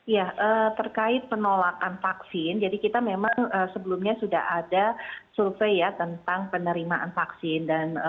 ya terkait penolakan vaksin jadi kita memang sebelumnya sudah ada survei ya tentang penerimaan vaksin